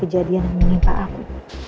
kejadian yang menimpa aku